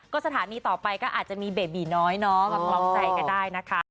ก็สถานีต่อไปก็อาจจะมีเบบีน้อยเนาะมาพร้อมใจก็ได้นะคะ